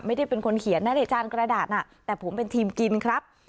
ไม่ได้เป็นคนเขียนนะในจานกระดาษน่ะแต่ผมเป็นทีมกินครับ